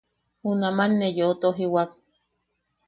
Junaman ne yeu tojiwak.